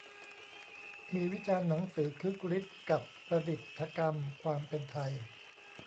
มีวิจารณ์หนังสือ "คึกฤทธิ์กับประดิษฐกรรม 'ความเป็นไทย'"